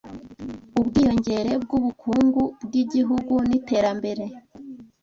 Ubwiyongere bw'ubukungu bw'igihugu n'iterambere